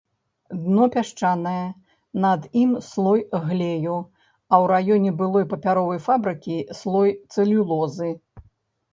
Дно пясчанае, над ім слой глею, а ў раёне былой папяровай фабрыкі слой цэлюлозы.